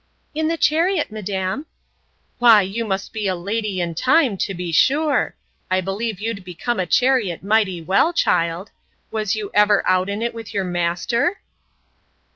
In the chariot, madam.—Why, you must be a lady in time, to be sure!—I believe you'd become a chariot mighty well, child!—Was you ever out in it with your master?